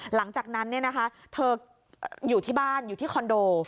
หลังจากนั้นเธออยู่ที่บ้านอยู่ที่คอนโด